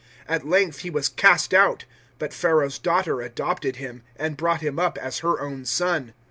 007:021 At length he was cast out, but Pharaoh's daughter adopted him, and brought him up as her own son.